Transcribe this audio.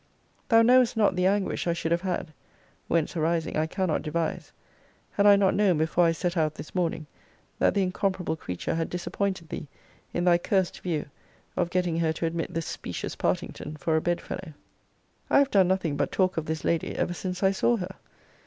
Thou knowest not the anguish I should have had, (whence arising, I cannot devise,) had I not known before I set out this morning, that the incomparable creature had disappointed thee in thy cursed view of getting her to admit the specious Partington for a bed fellow. I have done nothing but talk of this lady ever since I saw her.